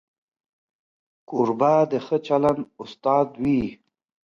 کوربه د ښه چلند استاد وي.